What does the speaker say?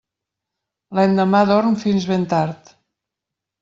L'endemà dorm fins ben tard.